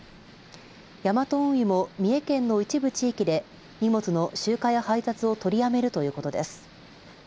ヤマト運輸も、三重県の一部地域で荷物の集荷や配達を取りやめるということです。